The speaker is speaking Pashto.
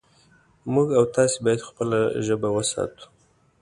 موږ او تاسې باید خپله ژبه وساتو